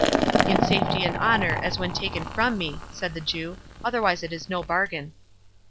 "In safety and honour, as when taken from me," said the Jew, "otherwise it is no bargain."